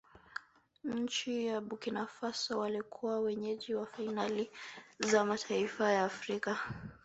nchi ya burkina faso walikuwa wenyeji wa fainali za mataifa ya afrika